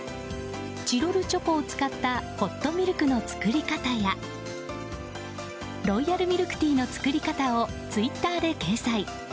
チロルチョコを使ったホットミルクの作り方やロイヤルミルクティーの作り方をツイッターで掲載。